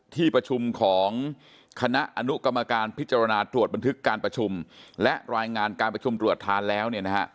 ที่ประชุมของคณะอนุกรรมการพิจารณาตรวจบันทึกการประชุมและรายงานการประชุมตรวจทานแล้วเนี่ยนะฮะ